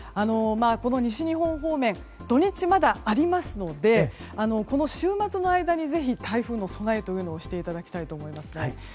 西日本方面土日まだありますのでこの週末の間にぜひ台風の備えをしていただきたいと思います。